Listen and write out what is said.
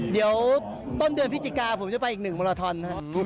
เดี๋ยวต้นเดือนพฤศจิกาผมจะไปอีกหนึ่งมาราทอนนะครับ